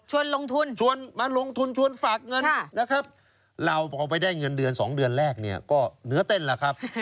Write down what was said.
ลงทุนชวนมาลงทุนชวนฝากเงินนะครับเราพอไปได้เงินเดือน๒เดือนแรกเนี่ยก็เหนือเต้นแล้วครับ